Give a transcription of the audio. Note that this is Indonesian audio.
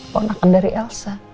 konakan dari elsa